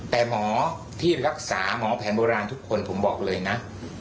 แต่หมอที่รักษาหมอแผนโบราณทุกคนผมบอกเลยนะ